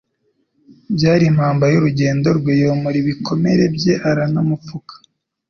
byari impamba y'urugendo rwe, yomora ibikomere bye aranamupfuka.